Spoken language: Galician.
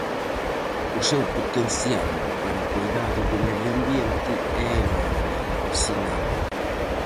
O seu potencial para o coidado do medio ambiente é enorme, sinalan.